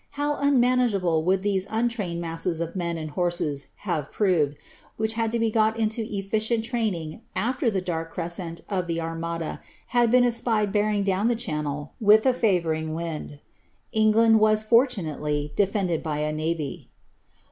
how unmanageable would these untrained masses of men and JuTse' have proved, which had lo be got into efficient training afirr the dark orescenl of the Armada had been espied bearing down llie Channel, » i;h a favouring wind ! England was fortimately defended by a navy.